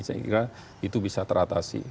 saya kira itu bisa teratasi